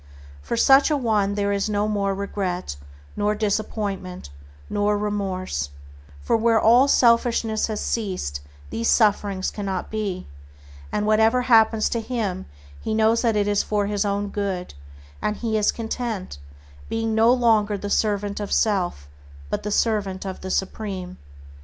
For such a one there is no more regret, nor disappointment, nor remorse, for where all selfishness has ceased these sufferings cannot be; and whatever happens to him he knows that it is for his own good, and he is content, being no longer the servant of self, but the servant of the Supreme.